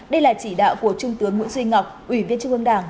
đây là chỉ đạo của trung tướng nguyễn duy ngọc ủy viên trung ương đảng